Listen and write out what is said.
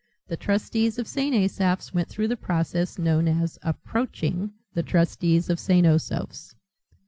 The trustees of St. Asaph's went through the process known as 'approaching' the trustees of St. Osoph's.